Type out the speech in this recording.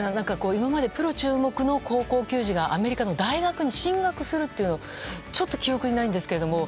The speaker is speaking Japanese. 今までプロ注目の高校球児がアメリカの大学に進学するっていうのはちょっと記憶にないんですけど。